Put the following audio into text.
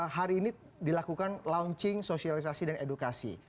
hari ini dilakukan launching sosialisasi dan edukasi